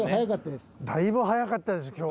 だいぶ早かったです